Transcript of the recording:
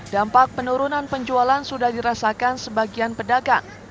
dampak penurunan penjualan sudah dirasakan sebagian pedagang